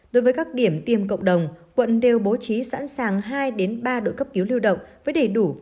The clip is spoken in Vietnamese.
đối với các điểm tiêm cộng đồng quận đều bố trí sẵn sàng hai ba đội cấp cứu lưu động với đầy đủ